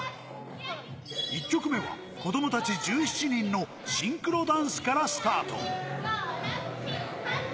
１曲目は子供たち１７人のシンクロダンスからスタート。